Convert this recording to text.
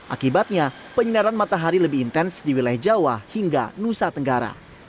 akibatnya penyinaran matahari lebih intens di wilayah jawa hingga nusa tenggara